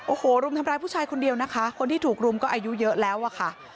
โอ้โหรุมทำร้ายผู้ชายคนเดียวนะคะคนที่ถูกรุมก็อายุเยอะแล้วอะค่ะ